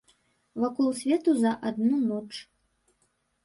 Вакол свету за адну ноч.